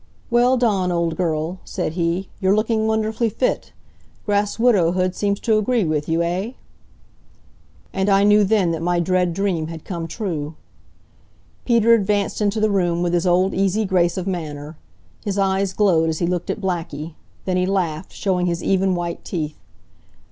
"Well, Dawn old girl," said he "you're looking wonderfully fit. Grass widowhood seems to agree with you, eh?" And I knew then that my dread dream had come true. Peter advanced into the room with his old easy grace of manner. His eyes glowed as he looked at Blackie. Then he laughed, showing his even, white teeth.